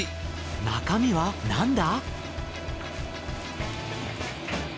中身は何だ？